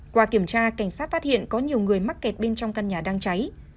qua kiểm tra cảnh sát phát hiện có nhiều người mắc kẹt bên trong căn nhà đang cháy